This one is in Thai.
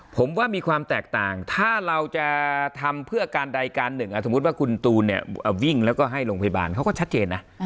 ผมว่ามีความแตกต่างถ้าเราจะทำเพื่อการใดการหนึ่งสมมุติว่าคุณตูนวิ่งแล้วก็ให้โรงพยาบาลเขาก็ชัดเจนนะ